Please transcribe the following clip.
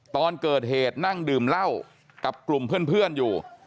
ตอนเกิดเหตุนั่งดื่มเหล้ากับกลุ่มเพื่อนอยู่